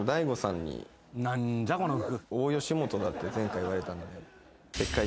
だって前回言われたので。